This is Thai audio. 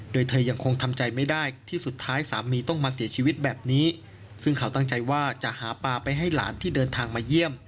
โดยเธอยังคงทำใจไม่ได้ที่สุดท้ายสามีต้องมาเสียชีวิตแบบนี้ซึ่งเขาตั้งใจว่าจะหาปลาไปให้หลานที่เดินทางมาเยี่ยม